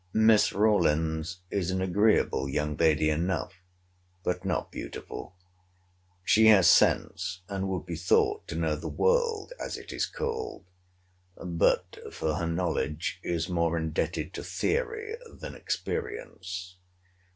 Miss Rawlins is an agreeable young lady enough; but not beautiful. She has sense, and would be thought to know the world, as it is called; but, for her knowledge, is more indebted to theory than experience.